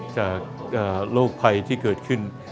จากโรคภัยที่เกิดขึ้น